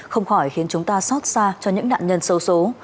không khỏi khiến chúng ta xót xa cho những nạn nhân sâu xố